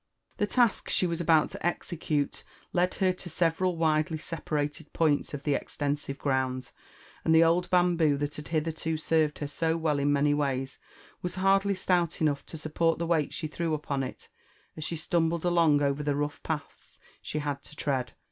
The task she was about to execute led her to several widely sepa rated points of the extensive grounds; and the old bamboo that had hitherto served her so well in many ways was hardly stout enough to support the weight she threw upon it, as she stumbled along over the rough paths she had to tread.